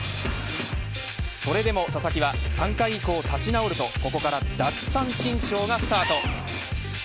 それでも佐々木は３回以降立ち直るとここから奪三振ショーがスタート。